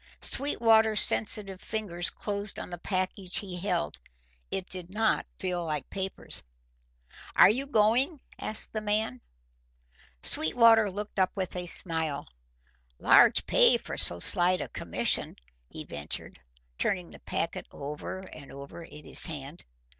Sweetwater's sensitive fingers closed on the package he held. It did not feel like papers. "Are you going?" asked the man. Sweetwater looked up with a smile. "Large pay for so slight a commission," he ventured, turning the packet over and over in his hand.